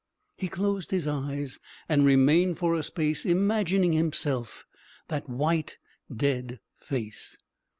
He closed his eyes and remained for a space imagining himself that white dead face.